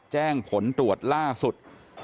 แจ้งผลตรวจล่าสุด